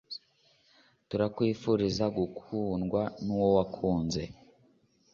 turakwifuriza gukundwa nuwo wakunze